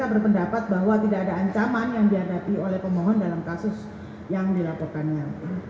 saya berpendapat bahwa tidak ada ancaman yang dihadapi oleh pemohon dalam kasus yang dilaporkannya